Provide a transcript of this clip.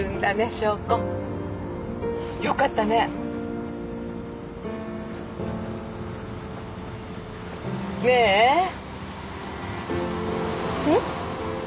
翔子よかったねねえん？